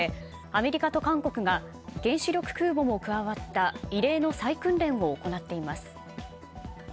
アメリカと韓国が原子力空母も加わった異例の再訓練を行っています。